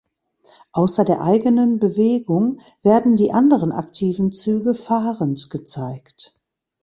Außer der eigenen Bewegung werden die anderen aktiven Züge fahrend gezeigt.